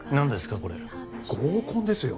これ合コンですよ